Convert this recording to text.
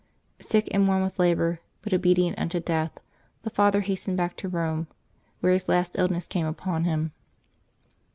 Sick and worn with labor, but obedient unto death, the father has tened back to Eome, where his last illness came upon him.